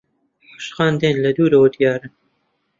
عاشقان دێن لە دوورەوە دیارن